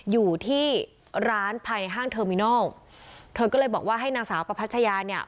อยู่ที่ร้านภายในห้างเทอร์มินอลเธอก็เลยบอกว่าให้นางสาวประพัชยาเนี่ย